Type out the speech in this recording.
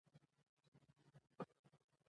د بیان طریقه روښانه ده.